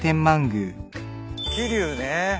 桐生ね。